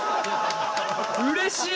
うれしい！